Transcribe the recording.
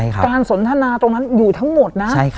สนทนาตรงนั้นอยู่ทั้งหมดนะ